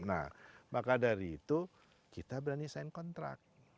nah maka dari itu kita berani sign contract